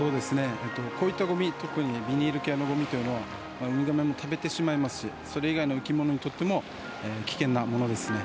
こういった、ごみ特にビニール系のごみというのはウミガメも食べてしまいますしそれ以外の生き物にとっても危険なものですね。